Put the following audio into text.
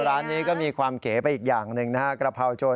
ร้านนี้ก็มีความเก๋ไปอีกอย่างหนึ่งนะฮะกระเพราโจร